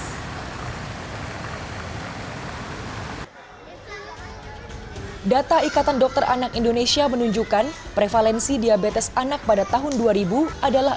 hai latar ikatan dr anak indonesia menunjukkan prevalensi diabetes anak pada tahun dua ribu adalah